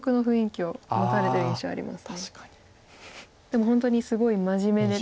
でも本当にすごい真面目で。